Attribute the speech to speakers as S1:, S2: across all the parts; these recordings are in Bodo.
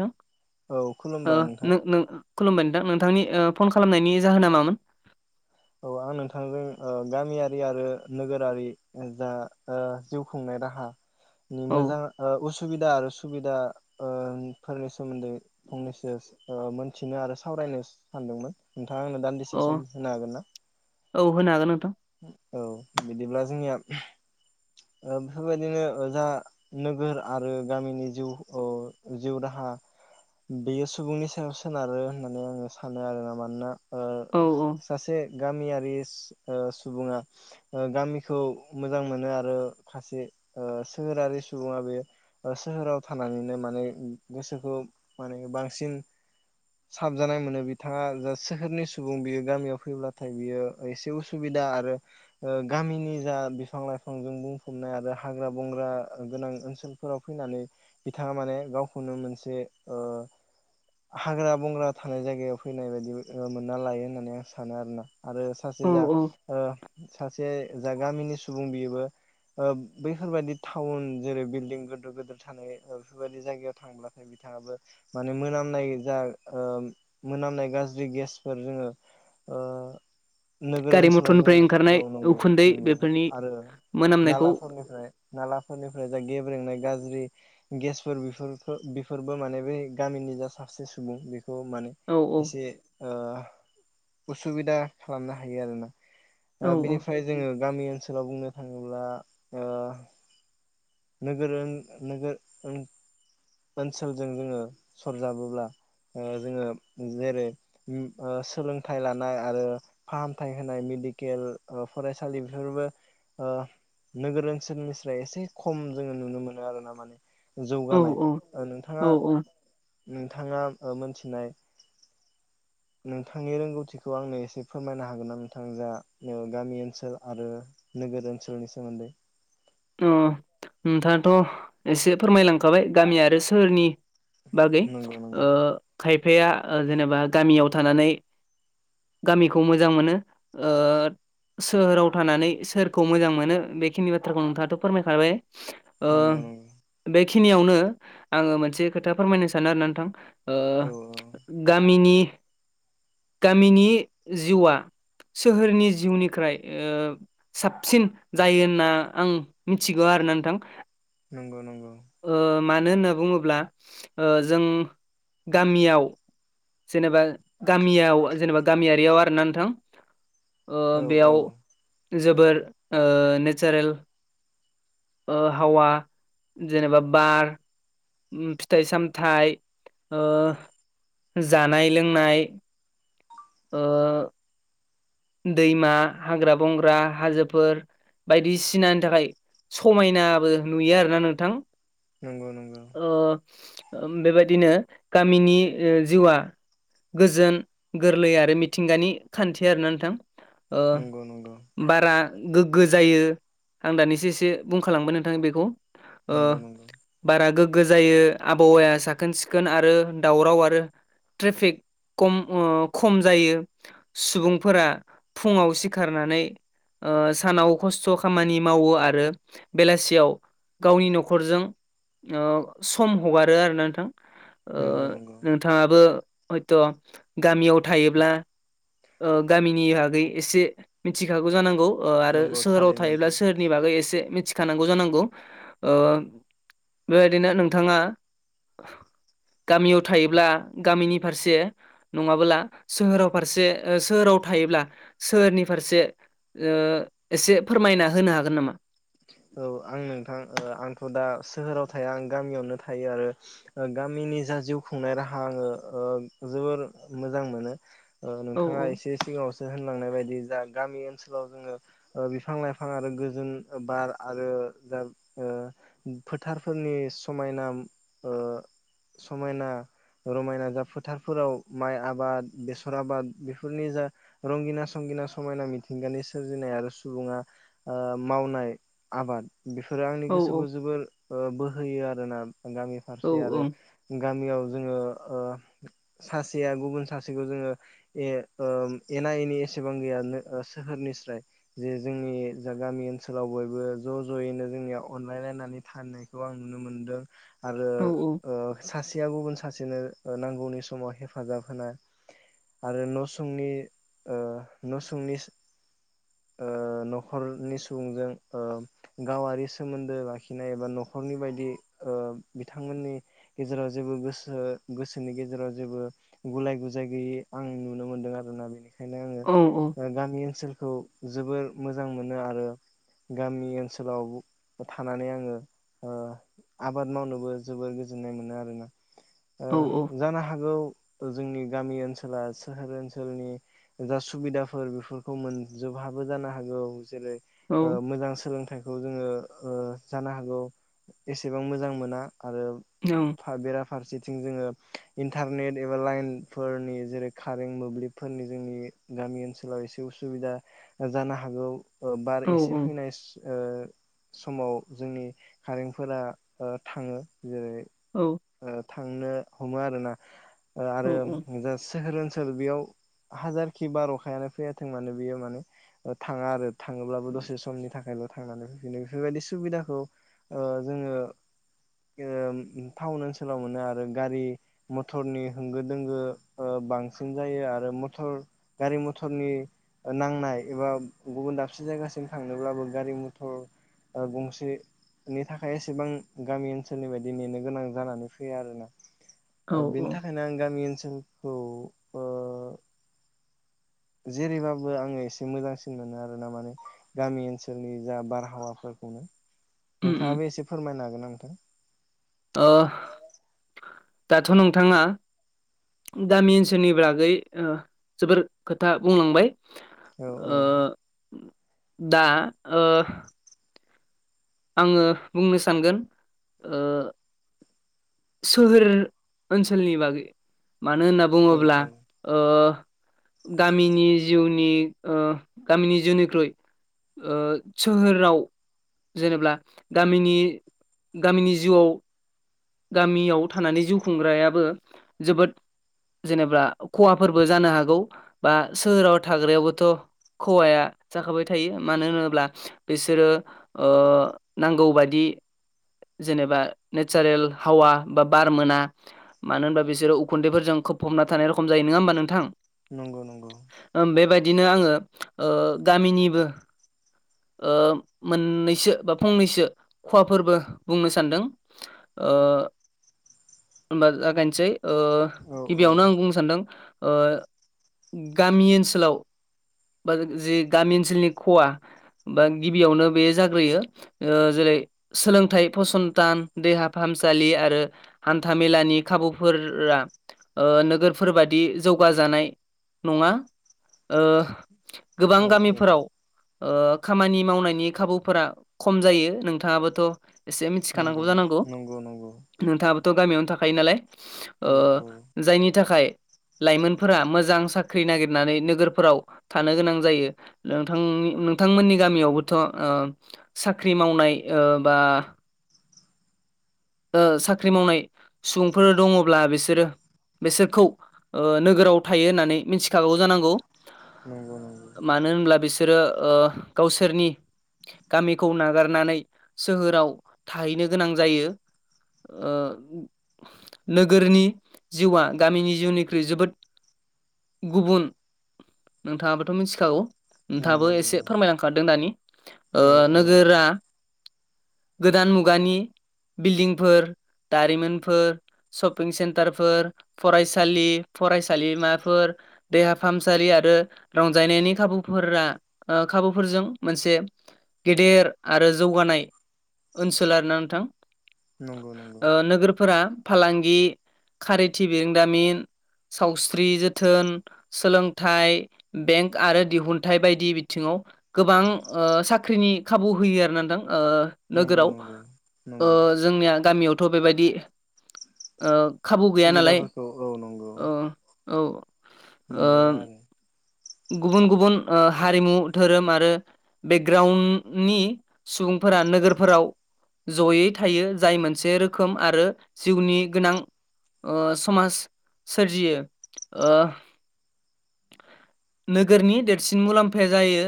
S1: नोंथां
S2: औ
S1: ओ
S2: खुलुमबाय नोंथां
S1: नों नों खुलुमबाय नोंथां। नोंथांनि ओ फन खालामनायनि जाहोना मामोन?
S2: औ आं नोंथांजों ओ गामियारि आरो नोगोरारि जा ओ जिउ खुंनाय राहा नि
S1: औ
S2: मोजां ओ उसुबिदा आरो सुबिदा ओ फोरनि सोमोन्दै फंनैसो ओ मोनथिनो आरो सावरायनो सानदोंमोन। नोंथाङा आंनो
S1: अ
S2: दान्दिसे सम होनो हागोन ना?
S1: औ होनो हागोन नोंथां।
S2: औ बिदिब्ला जोंनिया ओ बेफोरबायदिनो जा नोगोर आरो गामिनि जिउ ओ जिउ राहा बेयो सुबुंनि सायाव सोनारो होननानै आङो सानो आरोना मानोना
S1: औ
S2: ओ
S1: औ
S2: सासे गामियारि ओ सुबुङा ओ गामिखौ मोजां मोनो आरो खासे ओ सोहोरारि सुबुङा बे ओ सोहोराव थानानैनो माने गोसोखौ माने बांसिन साबजानाय मोनो बिथाङा जा सोहोरनि सुबुं बियो गामियाव फैब्ला थाय बियो एसे उसुबिदा आरो ओ गामिनि जा बिफां लाइफां जों बुंफबनाय आरो हाग्रा बंग्रा गोनां ओनसोल फोराव फैनानै बिथाङा माने गावखौनो मोनसे ओ हाग्रा बंग्रा थानाय जायगायाव फैनाय बायदि मोनना लायो होननानै आं सानो आरोना। आरो सासे
S1: औ
S2: जा
S1: औ
S2: ओ सासे जा गामिनि सुबुं बियोबो ओ बैफोरबायदि टाउन जेरै बिल्डिं गिदिर गिदिर थानाय बेफोरबायदि जायगायाव थांब्लाथाय बिथाङाबो माने मोनामनाय जा ओ मोनामनाय गाज्रि गेसफोर जोङो ओ नोगोर
S1: गारि
S2: ओनसोलाव जोङो
S1: मथरनिफ्राय ओंखारनाय
S2: औ नंगौ
S1: उखुन्दै
S2: नंगौ
S1: बेफोरनि
S2: आरो
S1: मोनामनायखौ
S2: नालाफोरनिफ्राय नालाफोरनिफ्राय जा गेब्रेंनाय गाज्रि गेसफोर बेफोर फो बेफोरबो माने बै गामिनि जा सासे सुबुं बेखौ माने
S1: औ औ
S2: एसे ओ उसुबिदा खालामनो हायो आरोना।
S1: औ
S2: ओ बिनिफ्राय जोङो गामि ओनसोलाव बुंनो थाङोब्ला ओ नोगोर ओन नोगोर ओन ओनसोलजों जोङो सरजाबोब्ला ओ जोङो जेरै उम ओ सोलोंथाइ लानाय आरो फाहामथाय होनाय मेडिकेल ओ फरायसालि बेफोरबो ओ नोगोर ओनसोलनिस्राय एसे खम जोङो नुनो मोनो आरो ना माने।
S1: औ
S2: जौगानाय ओ
S1: औ
S2: नोंथाङा
S1: औ
S2: नोंथाङा ओ मोनथिनाय नोंथांनि रोंगौथिखौ आंनो एसे फोरमायनो हागोन ना नोंथां जा गामि ओनसोल आरो नोगोर ओनसोलनि सोमोन्दै
S1: ओ नोंथाङाथ' एसे फोरमायलांखाबाय गामि आरो सोहोरनि बागै
S2: नंगौ नंगौ
S1: ओ खायफाया जेनेबा गामियाव थानानै गामिखौ मोजां मोनो ओ सोहोराव थानानै सोरखौ मोजां मोनो बेखिनि बाथ्राखौ नोंथाङा फोरमायखाबाय ओ
S2: नंगौ नंगौ
S1: बेखिनियावनो आङो मोनसे खोथा फोरमायनो सानो आरो ना नोंथां ओ
S2: औ औ
S1: गामिनि गामिनि जिउआ सोहोरनि जिउनिख्राय ओ साबसिन जायो होनना आं मिथिगौ आरो ना नोंथां।
S2: नंगौ नंगौ।
S1: ओ मानो होनना बुङोब्ला जों गामियाव जेनेबा गामियाव जेनेबा गामियारियाव आरोना नोंथां। ओ
S2: औ औ
S1: बेयाव जोबोर ओ नेचारेल ओ हावा जेनेबा बार उम फिथाइ सामथाइ ओ जानाय लोंनाय ओ दैमा हाग्रा बंग्रा हाजोफोर बायदिसिनानि थाखाय समायनाबो नुयो आरोना नोंथां।
S2: नंगौ नंगौ।
S1: ओ बेबायदिनो गामिनि ओ जिउआ गोजोन गोरलै आरो मिथिंगानि खान्थि आरोना नोंथां। ओ
S2: नंगौ नंगौ
S1: बारा गोग्गो जायो। आं दानिसो एसे बुंखालांबाय नोंथां बेखौ। ओ
S2: नंगौ नंगौ
S1: बारा गोग्गो जायो आबहावाया साखोन सिखोन आरो दावराव आरो ट्रेफिक खम ओ खम जायो। सुबुं फोरा फुङाव सिखारनानै ओ सानाव खस्थ' खामानि मावो आरो बेलासियाव गावनि न'खरजों ओ सम हगारो आरोना नोंथां।
S2: नंगौ नंगौ।
S1: थाङाबो हयथ' गामियाव थायोब्ला ओ गामिनि बागै एसे मिथिखागौ जानांगौ ओ आरो
S2: नंगौ
S1: सोहोराव
S2: थारैनो
S1: थायोब्ला
S2: नोंथां
S1: सोहोर नि बागै एसे मिथिखानांगौ जानांगौ ओ बेबायदिनो नोंथाङा गामियाव थायोब्ला गामिनि फारसे नङाबोला सोहोराव फारसे ओ सोहोराव थायोब्ला सोहोरनि फारसे ओ एसे फोरमायना होनो हागोन नामा
S2: औ आं नोंथां ओ आंथ' दा सोहोराव थाया आं गामियावनो थायो आरो ओ गामिनि जा जिउ खुंनाय राहा आङो ओ जोबोर मोजां मोनो ओ
S1: औ
S2: नोंथाङा एसे सिगाङावसो होनलांनाय बायदि जा गामि ओनसोलाव जोङो ओ बिफां लाइफां आरो गोजोन बार आरो [unintelligible] ओ फोथारफोरनि समायना ओ समायना रमायना जा फोथारफोराव माइ आबाद बेसर आबाद बेफोरनि जा रंगिना संगिना समायना मिथिंगानि सोरजिनाय आरो सुबुंङा ओ मावनाय आबाद बेफोरो आंनि
S1: औ
S2: गोसोखौ जोबोर ओ बोहोयो आरोना गामि
S1: औ
S2: फारसे आरो गामियाव जोङो ओ सासेया गुबुन सासेखौ जोंङो ए-ओ एना एनि एसेबां गैया नो सोहोरनिस्राय जे जोंनि जा गामि ओन सोलाव बयबो ज' ज'यैनो जोंनियाव अनलायलायनानै थानायनायखौ आं नुनो मोनदों आरो
S1: औ
S2: ओ सासेया गुबुन सासेनो नांगौनि समाव हेफाजाब होनाय आरो न' सुंनि ओ न' सुंनि ओ न'खरनि सुबुंजों ओ गावारि सोमोन्दो लाखिनाय एबा न'खरनि बायदि ओ बिथांमोननि गेजेराव जेबो गोसो गोसोनि गेजेराव जेबो गुलाय गुजाय गैयै आं नुनो मोनदों आरोना बेनि खायनो
S1: औ
S2: आंङो गामि ओनसोलखौ जोबोर मोजां मोनो आरो गामि ओनसोलाव थानानै आंङो ओ आबाद मावनोबो जोबोर गोजोननाय मोनो आरोना
S1: औ
S2: ओ जानो हागौ जोंनि गामि ओनसोला सोहोर ओनसोलनि जा सुबिदाफोर बेफोरखौ मोनजोबहाबो जानो हागौ जेरै मोजां सोलों फिथाइखौ जोङो ओ जानो हागौ एसेबां मोजां मोना आरो
S1: औ
S2: थादेरा फारसेथिं जोंङो इन्टारनेट एबा लाइनफोरनि जेरै कारेन्ट मोब्लिबफोरनि जोंनि गामि ओनसोलाव एसे उसुबिदा जानो हागौ बार एसे
S1: औ
S2: से ओ समाव जोंनि कारेन्टफोरा ओ थांङो जेरै
S1: औ
S2: ओ थांनो हमो आरोना ओ आरो जा सोहोर ओनसोल बेयाव हाजारखि बार अखायानो फैयाथों माने बेयो माने थाङा आरो थांङोब्लाबो दसे समनि थाखायल' थांनानै फैफिनो बेफोरबायदि सुबिदाखौ ओ जोंङो जोंङो टाउन ओनसोलाव मोनो आरो गारि मटरनि होंगो दोंगो ओ बांसिन जायो आरो मटर गारि मथरनि नांनाय एबा गुबुन दाबसे जायगासिम थांनोब्लाबो गारि मथर ओ गंसे नि थाखाय एसेबां गामि ओनसोलनि बायदि नेनो गोनां जानानै फैयो आरोना बेनि थाखायनो आं गामि ओनसोलखौ ओ जेरैबाबो आंङो एसे मोजांसिन मोनो आरोना माने गामि ओनसोलनि जा बारहावाफोरखौनो
S1: उम उम
S2: नोंथांङाबो एसे फोरमायनो हागोनना नोंथां
S1: ओ दाथ' नोंथांङा गामि ओनसोलनि बागै ओ जोबोर खोथा बुंलांबाय
S2: औ औ
S1: ओ दा ओ आंङो बुंनो सानगोन ओ सोहोर ओनसोलनि बागै मानो होनना बुंङोब्ला ओ गामिनि जिउनि ओ गामिनि जिउनिख्रुइ ओ सोहोराव जेनेब्ला गामिनि गामिनि जिउआव गामियाव थानानै जिउ खुंग्रायाबो जोबोद जेनेबा खहाफोरबो जानो हागौ बा सोहोराव थाग्रायावबोथ' खहाया जाखाबाय थायो मानो होनोब्ला बिसोरो ओ नांगौबादि जेनेबा नेचारेल हावा बा बार मोना। मानो होनबा बिसोरो उखुन्दैफोरजों खोबफबना थानाय रखम जायो नङा होमबा नोंथां
S2: नंगौ नंगौ
S1: बेबायदिनो आंङो ओ गामिनिबो ओ मोननैसो बा फंनैसो खहाफोरबो बुंनो सानदों। ओ होनबा जागायनोसै ओ।
S2: औ औ
S1: गिबियावनो आं बुंनो सानदों ओ गामि ओनसोलाव बा जि गामि ओनसोलनि खहा बा गिबियावनो बे जाग्रोयो ओ जेरै सोलोंथाइ फसंथान देहा फाहामसालि आरो हान्थाामेलानि खाबुफोरा नोगोरफोरबादि जौगाजानाय नंङा ओ गोबां
S2: औ औ
S1: गामिफोराव ओ खामानि मावनायनि खाबुफोरा खम जायो नोंथाङाबोथ' एसे
S2: नंगौ
S1: मिथिखानांगौ जानांगौ।
S2: नंगौ नंगौ
S1: नोंथाङाबोथ' गामियावनो थाखायो नालाय
S2: औ
S1: ओ
S2: औ
S1: जायनि थाखाय लाइमोनफोरा मोजां साख्रि नागिरनानै नोगोरफोराव थानो गोनां जायो। नोंथांनि नोंथांमोननि गामियावबोथ' ओ साख्रि मावनाय ओ बा ओ साख्रि मावनाय सुबुंफोर दङब्ला बिसोरो बिसोरखौ ओ नोगोराव थायो होननानै मिथिखागौ जानांगौ
S2: नंगौ नंगौ
S1: मा नो होनब्ला बिसोरो ओ गावसोरनि गामिखौ नागार नानै सोहोराव थाहैनो गोनां जायो। ओ नोगोरनि जिउआ गामिनि जिउनिख्रुइ जोबोद गुबुन नोंथाङाबोथ' मिन्थिखागौ। नोंथाबो
S2: नंगौ
S1: एसे
S2: नंगौ
S1: फोरमायलांखादों दानि ओ
S2: औ औ
S1: नोगोरा गोदान मुगानि बिल्डिंफोर दारिमिनफोर शपिं सेन्टारफोर फरायसालि फरायसालिमाफोर देहा फाहामसालि आरो रंजानायनि खाबुफोरा ओ खाबुफोरजों मोनसे गेदेर आरो जौगानाय ओनसोल आरोना नोंथां।
S2: नंगौ नंगौ
S1: ओ नोगोरफोरा फालांगि खारिथि बिरोंदामिन सावस्रि जोथोन सोलोंथाइ बेंक आरो दिहुनथाइ बायदि बिथिङाव गोबां ओ साख्रिनि खाबु होयो आरो ना नोथां ओ
S2: नंगौ
S1: नोगोराव
S2: नंगौ।
S1: ओ
S2: नंगौ
S1: जोंनिया गामियावथ' बेबायदि ओ खाबु गैया नालाय
S2: सुबिदाफोरखौ औ नंगौ
S1: ओ औ
S2: मोनजोबा आरो।
S1: गुबुन-गुबुन ओ हारिमु धोरोम आरो बेग्राउन्डनि सुबुंफोरा नोगोरफोराव जयै थायो जाय मोनसे रोखोम आरो जिउनि गोनां ओ समाज सोरजियो ओ नोगोरनि देरसिन मुलाम्फाया जायो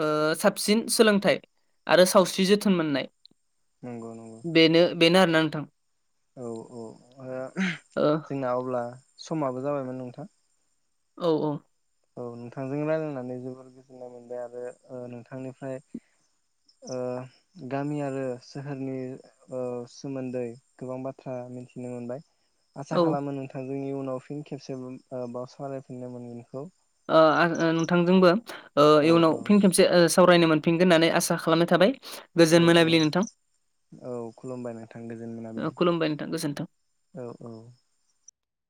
S1: ओ साबसिन सोलोंथाइ। आरो सावस्रि जोथोन मोननाय।
S2: नंगौ-नंगौ
S1: बेनो बेनो आरोना नोंथां।
S2: औ औ ओ
S1: ओ
S2: जोंना अब्ला समाबो जाबायमोन नोंथां।
S1: औ औ
S2: औ नोंथांजों रायलायनानै जोबोर गोजोननाय मोनबाय आरो ओ नोंथांनिफ्राय ओ गामि आरो सोहोरनि ओ सोमोन्दै गोबां बाथ्रा मोन्थिनो मोनबाय। आसा
S1: औ ओ
S2: खालामो नोंथांजों इउनाव फिन खेबसे बाव ओ सावालरायफिननो मोनगोनखौ।
S1: ओ आ ओ नोंथांजोंबो ओ
S2: औ
S1: इयुनाव
S2: औ
S1: फिन खेबसे ओ सावरायनो मोन फिनगोन होननानै आसा खालामनाय थाबाय।
S2: औ
S1: गोजोन
S2: औ
S1: मोनाबिलि नोंथां
S2: औ खुलुमबाय नोंथां गोजोन
S1: ओ
S2: मोनाबिलि।
S1: खुलुमबाय नोंथां गोजोन्थों।
S2: औ औ